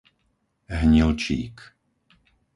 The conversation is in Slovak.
Hnilčík